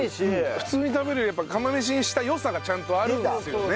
普通に食べるよりやっぱ釜飯にした良さがちゃんとあるんですよね。